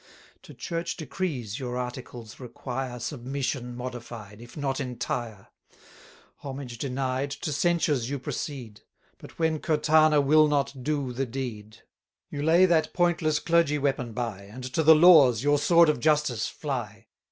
To Church decrees your articles require Submission modified, if not entire. Homage denied, to censures you proceed: But when Curtana will not do the deed. You lay that pointless clergy weapon by, 420 And to the laws, your sword of justice, fly.